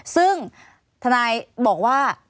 ซึ่งทนายบอกว่า